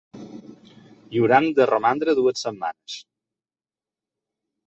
Hi hauran de romandre dues setmanes.